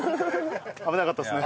危なかったですね。